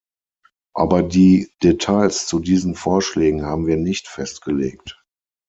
Aber die Details zu diesen Vorschlägen haben wir nicht festgelegt.